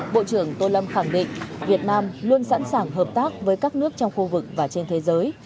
bộ trưởng tô lâm khẳng định việt nam luôn sẵn sàng hợp tác với các nước trong khu vực và trên thế giới